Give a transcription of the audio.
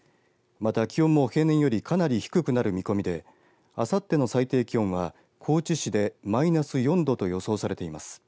また、気温も平年よりかなり低くなる見込みであさっての最低気温は高知市でマイナス４度と予想されています。